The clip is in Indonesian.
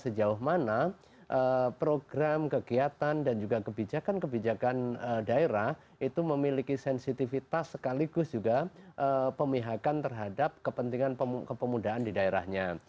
sejauh mana program kegiatan dan juga kebijakan kebijakan daerah itu memiliki sensitivitas sekaligus juga pemihakan terhadap kepentingan kepemudaan di daerahnya